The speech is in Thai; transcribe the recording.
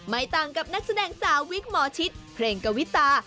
ต่างกับนักแสดงสาววิกหมอชิดเพลงกวิตา